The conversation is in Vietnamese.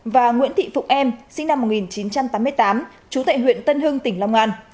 và nguyễn thị phụng em sinh năm một nghìn chín trăm tám mươi tám trú tại huyện tân hưng tỉnh long an